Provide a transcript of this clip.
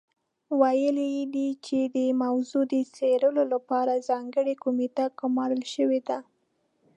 ویلي یې دي چې د موضوع د څېړلو لپاره ځانګړې کمېټه ګمارل شوې ده.